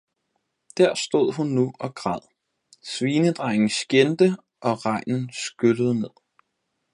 Der stod hun nu og græd, svinedrengen skjændte og regnen skyllede ned